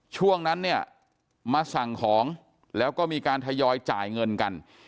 ช่วงนั้นเนี่ยมาสั่งของแล้วก็มีการทยอยจ่ายเงินกัน